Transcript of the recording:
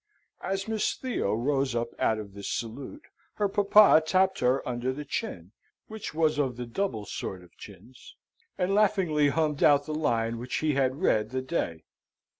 As Miss Theo rose up out of this salute, her papa tapped her under the chin (which was of the double sort of chins), and laughingly hummed out the line which he had read the day.